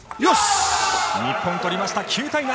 日本取りました、９対７。